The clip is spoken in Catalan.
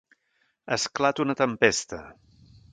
Esclata una tempesta.